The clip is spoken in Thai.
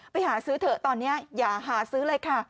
ไปหาซื้อเถอะตอนนี้อย่าหาซื้อเลยค่ะ